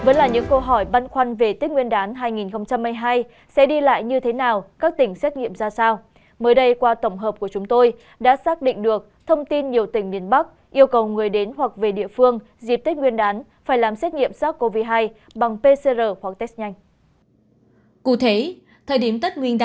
các bạn hãy đăng ký kênh để ủng hộ kênh của chúng mình nhé